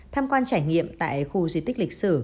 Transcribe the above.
tham quan trải nghiệm tại khu di tích lịch sử